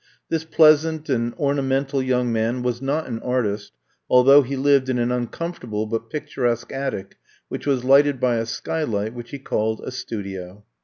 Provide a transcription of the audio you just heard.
This pleasant and ornamental young man was not an artist, although he lived in an uncomfortable but picturesque attic which was lighted by a skylight, which he called a studio.